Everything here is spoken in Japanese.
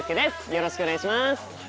よろしくお願いします。